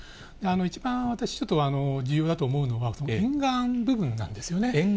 一番私、ちょっと重要だと思うのは、沿岸部分なんですよね。